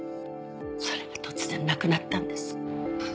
それが突然亡くなったんです。